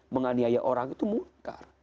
menganihaya orang itu munkar